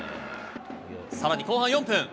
さらに後半４分。